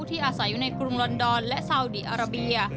อาศัยอยู่ในกรุงลอนดอนและซาวดีอาราเบีย